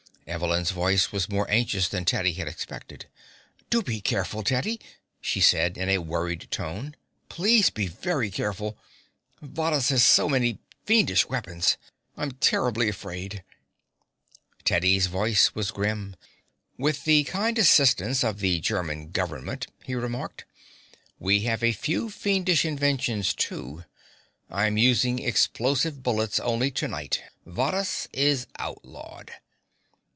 Evelyn's voice was more anxious than Teddy had expected. "Do be careful, Teddy," she said in a worried tone. "Please be very careful. Varrhus has so many fiendish weapons. I'm terribly afraid." Teddy's voice was grim. "With the kind assistance of the German government," he remarked, "we have a few fiendish inventions, too. I'm using explosive bullets only to night. Varrhus is outlawed."